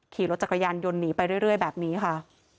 ขี่รถจักรยานยนต์หนีไปเรื่อยแบบนี้ค่ะ